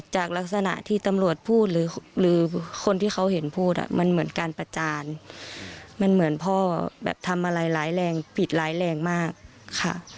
จากลักษณะที่ตำรวจพูดหรือคนที่เขาเห็นพูดอ่ะมันเหมือนการประจานมันเหมือนพ่อแบบทำอะไรร้ายแรงผิดร้ายแรงมากค่ะ